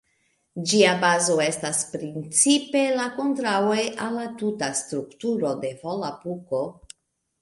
Ĝia bazo estas principe la kontraŭo al la tuta strukturo de Volapuko.